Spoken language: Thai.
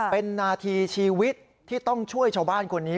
เป็นนาทีชีวิตที่ต้องช่วยชาวบ้านคนนี้